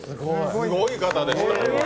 すごい方でした。